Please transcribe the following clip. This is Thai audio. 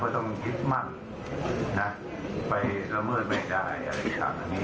เพราะต้องคิดมั่นไปละเมิดไม่ได้อะไรอย่างต่างแบบนี้